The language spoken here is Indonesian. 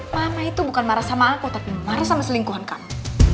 mama itu bukan marah sama aku tapi marah sama selingkuhan kamu